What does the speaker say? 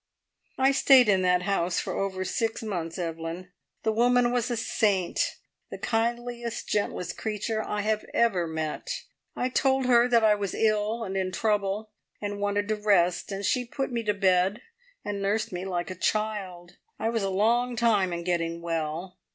"I stayed in that house for over six months, Evelyn. The woman was a saint the kindliest, gentlest creature I have ever met. I told her that I was ill and in trouble, and wanted to rest, and she put me to bed and nursed me like a child. I was a long time in getting well.